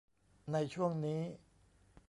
ในช่วงนี้